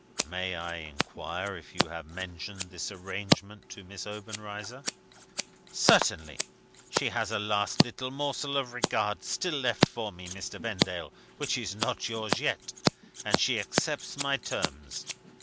"May I inquire if you have mentioned this arrangement to Miss Obenreizer?" "Certainly. She has a last little morsel of regard still left for me, Mr. Vendale, which is not yours yet; and she accepts my terms.